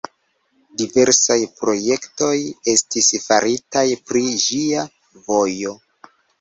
Diversaj projektoj estis faritaj pri ĝia vojo.